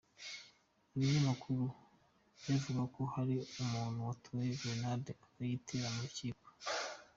Ibinyamakuru byavugaga ko hari umuntu watoye grenade akayitera mu rukiko.